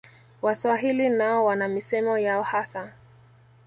Waswahili nao wana misemo yao hasa